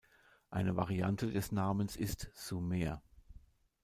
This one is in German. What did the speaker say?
Eine Variante des Namens ist "Sumer".